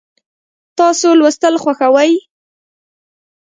تاسو لوستل خوښوئ؟